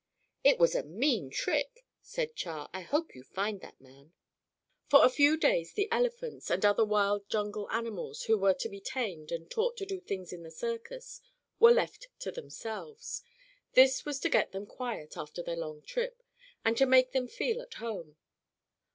"It was a mean trick," said Char. "I hope you find that man." For a few days the elephants, and other wild jungle animals, who were to be tamed and taught to do things in the circus, were left to themselves. This was to get them quiet after their long trip, and to make them feel at home.